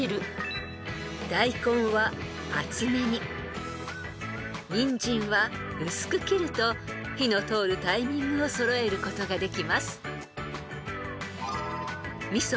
［大根は厚めににんじんは薄く切ると火の通るタイミングを揃えることができます］